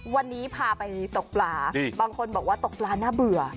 วันนี้พาไปตกปลาบางคนบอกว่าตกปลาน่าเบื่อ